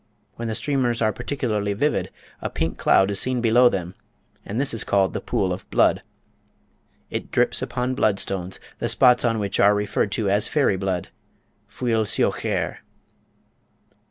When the streamers are particularly vivid, a pink cloud is seen below them, and this is called "the pool of blood." It drips upon blood stones, the spots on which are referred to as fairy blood (fuil siochaire).